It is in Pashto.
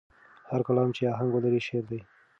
هر کلام چې آهنګ ولري، شعر دی.